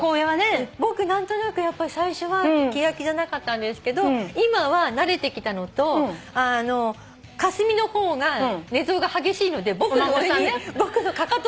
「僕何となくやっぱり最初は気が気じゃなかったんですけど今は慣れてきたのと香澄の方が寝相が激しいので僕にかかと落としが来ます」って。